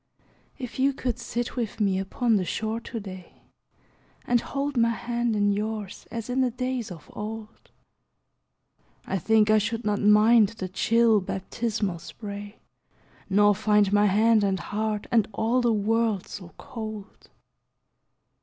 If you could sit with me upon the shore to day, And hold my hand in yours as in the days of old, I think I should not mind the chill baptismal spray, Nor find my hand and heart and all the world so cold.